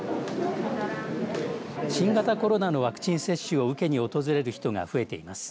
新型コロナのワクチン接種を受けに訪れる人が増えています。